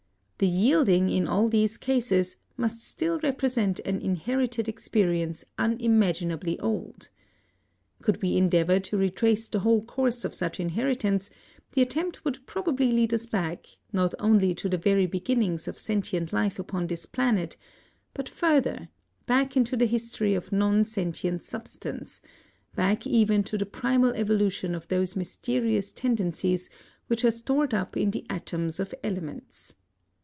The yielding, in all these cases, must still represent an inherited experience unimaginably old. Could we endeavor to retrace the whole course of such inheritance, the attempt would probably lead us back, not only to the very beginnings of sentient life upon this planet, but further, back into the history of non sentient substance, back even to the primal evolution of those mysterious tendencies which are stored up in the atoms of elements.